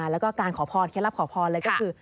แล้วก็การขอพรเคล็ดลับขอพรเลยก็คือ